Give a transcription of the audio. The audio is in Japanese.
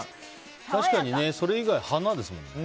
確かにそれ以外は花ですもんね。